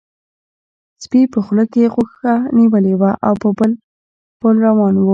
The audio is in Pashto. سپي په خوله کې غوښه نیولې وه او په پل روان و.